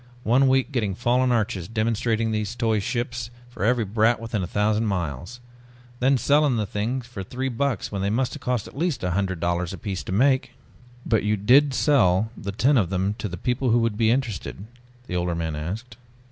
"One week getting fallen arches, demonstrating those toy ships for every brat within a thousand miles. Then selling the things for three bucks when they must have cost at least a hundred dollars apiece to make." "But you did sell the ten of them to people who would be interested?" the older man asked.